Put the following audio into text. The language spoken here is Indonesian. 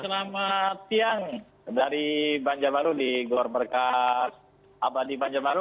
selamat siang dari banjarbaru di gor berkatabadi banjarbaru